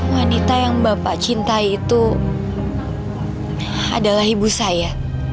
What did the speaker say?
wanita yang bapak cintai itu adalah ibu saya